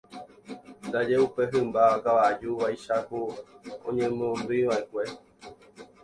ndaje upe hymba kavaju vaicháku oñemondyiva'ekue